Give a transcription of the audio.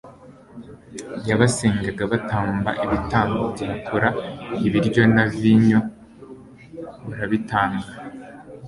yabasengaga batamba ibitambo bya kola, ibiryo na vino-vino, barabitanga